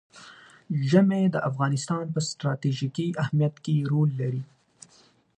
ژمی د افغانستان په ستراتیژیک اهمیت کې رول لري.